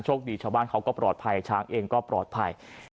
ชาวบ้านเขาก็ปลอดภัยช้างเองก็ปลอดภัย